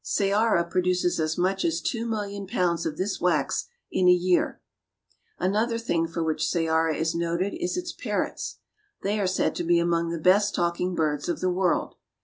Ceara produces as much as two million pounds of this wax in a year. Another thing for which Ceara is noted is its parrots. They are said to be among the best talking birds of the world.